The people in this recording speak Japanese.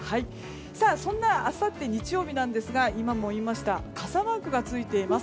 そんなあさって日曜日なんですが今も言いましたが傘マークがついています。